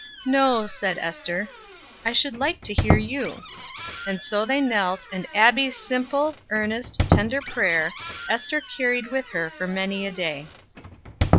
"No," said Ester; "I should like to hear you?" And so they knelt, and Abbie's simple, earnest, tender prayer Ester carried with her for many a day.